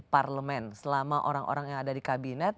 parlemen selama orang orang yang ada di kabinet